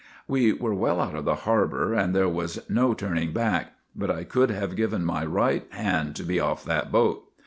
" We were well out of the harbor, and there was GULLIVER THE GREAT 9 no turning back, but I would have given my right hand to be off that boat.